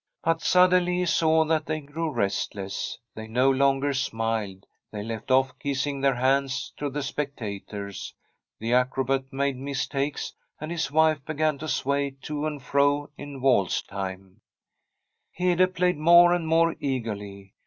But suddenly he saw that they grew restless. They no longer smiled ; they left oflf kissing their hands to the spectators ; the acrobat made mis takes, and his wife began to sway to and fro in waltz time. Hede played more and more eagerly.